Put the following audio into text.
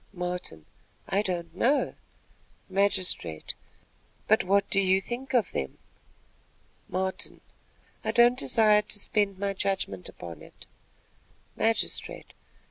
Martin. "I don't know." Magistrate. "But what do you think of them?" Martin. "I don't desire to spend my judgment upon it." Magistrate.